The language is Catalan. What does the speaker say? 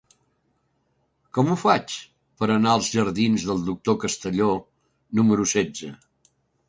Com ho faig per anar als jardins del Doctor Castelló número setze?